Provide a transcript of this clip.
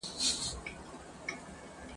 خو د کلیو په کوڅو کي سرګردان سو !.